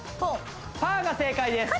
パーが正解です